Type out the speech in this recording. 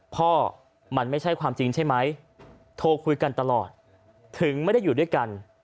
พ่อมันไม่ใช่ความจริงใช่ไหมโทรคุยกันตลอดถึงไม่ได้อยู่ด้วยกัน